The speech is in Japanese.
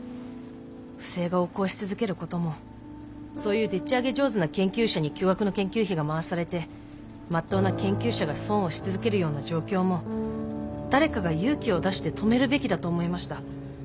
不正が横行し続けることもそういうでっちあげ上手な研究者に巨額の研究費が回されてまっとうな研究者が損をし続けるような状況も誰かが勇気を出して止めるべきだと思いました。